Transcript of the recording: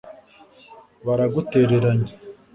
baragutereranye